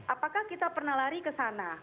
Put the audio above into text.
apakah kita pernah lari ke sana